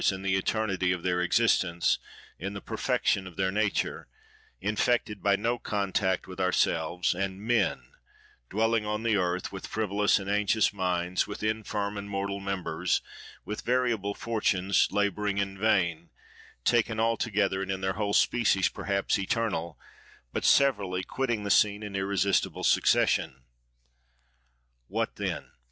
—in the eternity of their existence, in the perfection of their nature, infected by no contact with ourselves: and men, dwelling on the earth, with frivolous and anxious minds, with infirm and mortal members, with variable fortunes; labouring in vain; taken altogether and in their whole species perhaps, eternal; but, severally, quitting the scene in irresistible succession. "What then?